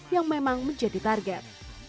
yang memang menjadi target